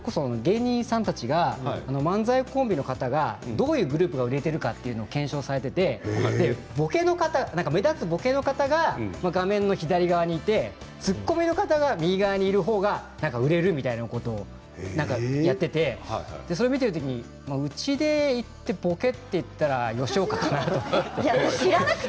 テレビのバラエティー番組を見ていたら芸人さんたちが漫才コンビの方がどういうグループが売れているかということが検証されていて目立つ、ぼけの方が画面の左側にいて突っ込みの方が右側にいる方が売れるみたいなことをやっていてそれを見ている時にうちでぼけといったら吉岡さんだと思って。